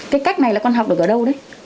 cái cách này là con học được ở đâu đấy